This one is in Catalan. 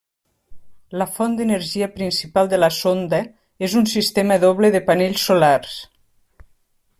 La font d'energia principal de la sonda és un sistema doble de panells solars.